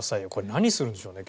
何するんでしょうね？